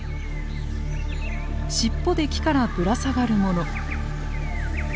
尻尾で木からぶら下がる者。